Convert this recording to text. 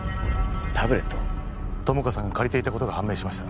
友果さんが借りていたことが判明しました